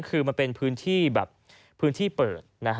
คือมันเป็นพื้นที่แบบพื้นที่เปิด